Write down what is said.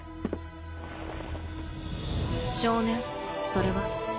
少年それは？